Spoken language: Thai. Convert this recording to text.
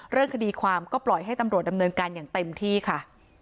เรื่องคดีความก็ปล่อยให้ตำรวจดำเนินการอย่างเต็มที่ค่ะ